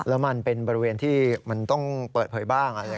แล้วมันเป็นบริเวณที่มันต้องเปิดเผยบ้าง